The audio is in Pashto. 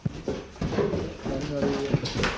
چې اسلامي نړۍ یې.